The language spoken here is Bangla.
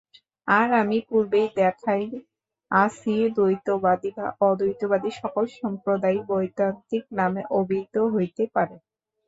আর আমি পূর্বেই দেখাইয়াছি, দ্বৈতবাদী বা অদ্বৈতবাদী সকল সম্প্রদায়ই বৈদান্তিক-নামে অভিহিত হইতে পারে।